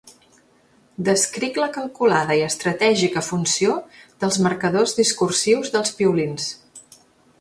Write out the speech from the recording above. Descric la calculada i estratègica funció dels marcadors discursius dels piolins.